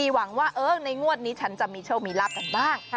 หวังว่าในงวดนี้ฉันจะมีโชคมีลาบกันบ้าง